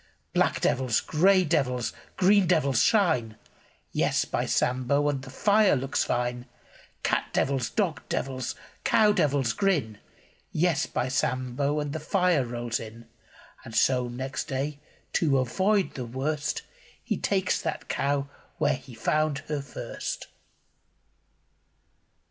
Black devils, grey devils, green devils shine — Yes, by Sambo, And the fire looks fine! Cat devils, dog devils, cow devils grin — Yes, by Sambo, And the fire rolls in. 870911 100 VACHEL LINDSAY And so, next day, to avoid the worst — He ta'kes that cow Where he found her first.